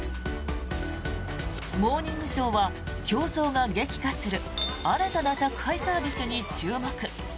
「モーニングショー」は競争が激化する新たな宅配サービスに注目。